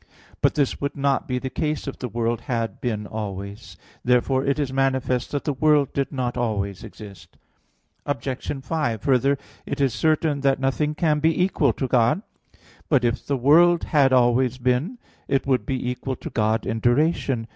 But this would not be the case if the world had been always. Therefore it is manifest that the world did not always exist. Obj. 5: Further, it is certain that nothing can be equal to God. But if the world had always been, it would be equal to God in duration.